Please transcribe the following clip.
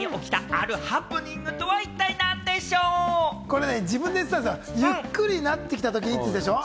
これね、自分で言ってたんですが、ゆっくりなってきたときにって言ってたでしょ？